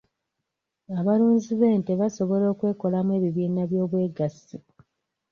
Abalunzi b'ente basobola okwekolamu ebibiina by'obwegassi.